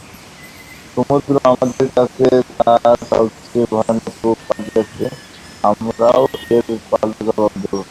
সমুদ্র আমাদের কাছে তার সবচেয়ে ভয়ানক রূপ পাঠিয়েছে, আমরাও এর পাল্টা জবাব দেবো।